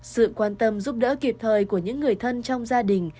sự quan tâm giúp đỡ kịp thời của những người thân trong gia đình